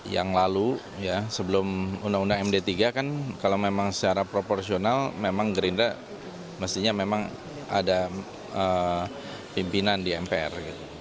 yang lalu sebelum undang undang md tiga kan kalau memang secara proporsional memang gerindra mestinya memang ada pimpinan di mpr